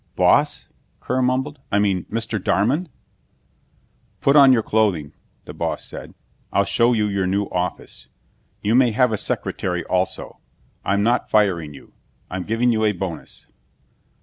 "Boss?" Kear mumbled. "I mean, Mr. Darmond?" "Put on your clothing," the boss said. "I'll show you your new office. You may have a secretary, also. I'm not firing you. I'm giving you a bonus."